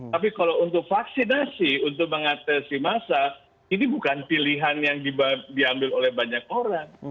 tapi kalau untuk vaksinasi untuk mengatasi masa ini bukan pilihan yang diambil oleh banyak orang